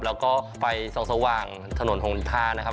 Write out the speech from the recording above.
แล้วก็ไปสว่างถนนห่วงนิทานะครับ